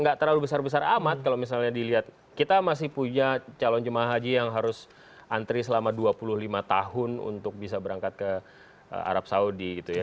nggak terlalu besar besar amat kalau misalnya dilihat kita masih punya calon jemaah haji yang harus antri selama dua puluh lima tahun untuk bisa berangkat ke arab saudi gitu ya